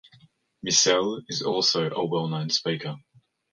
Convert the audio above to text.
Miesel is also a well-known speaker.